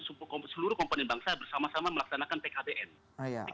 seluruh komponen bangsa bersama sama melaksanakan pkbn